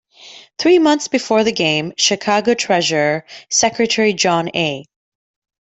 Three months before the game, Chicago Treasurer-Secretary John A.